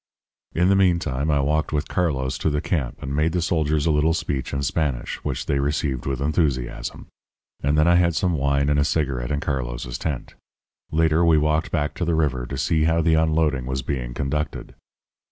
"In the meantime I walked with Carlos to the camp and made the soldiers a little speech in Spanish, which they received with enthusiasm; and then I had some wine and a cigarette in Carlos's tent. Later we walked back to the river to see how the unloading was being conducted.